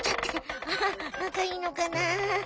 ハハなかいいのかな？